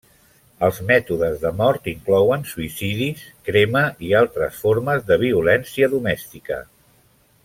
Els mètodes de mort inclouen suïcidis, crema i altres formes de violència domèstica.